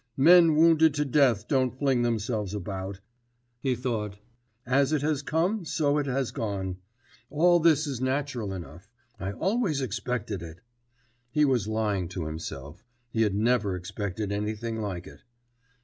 'Men wounded to death don't fling themselves about,' he thought, 'as it has come, so it has gone. All this is natural enough: I always expected it....' (He was lying to himself; he had never expected anything like it.)